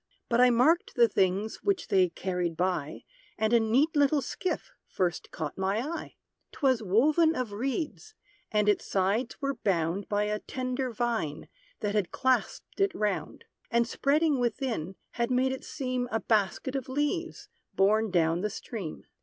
But I marked the things which they carried by; And a neat little skiff first caught my eye. 'Twas woven of reeds, and its sides were bound By a tender vine, that had clasped it round; And spreading within, had made it seem A basket of leaves, borne down the stream.